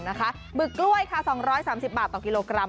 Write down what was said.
กุ้งแชร์บวยก็๑๗๐บาทต่อกิโลกรัม